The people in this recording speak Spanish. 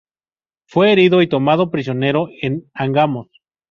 Fue herido y tomado prisionero en Angamos.